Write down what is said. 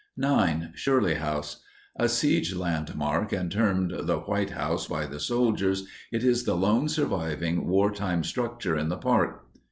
9. SHIRLEY HOUSE. A siege landmark, and termed the "White House" by the soldiers, it is the lone surviving wartime structure in the park.